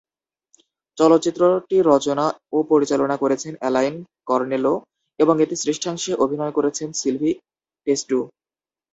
চলচ্চিত্রটি রচনা ও পরিচালনা করেছেন এলাইন কর্নেলো এবং এতে শ্রেষ্ঠাংশে অভিনয় করেছেন সিলভি টেস্টু।